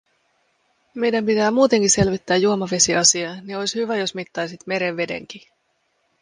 Meidän pitää muuteki selvittää juomavesiasia, ni ois hyvä, jos mittaisit meren vedenki."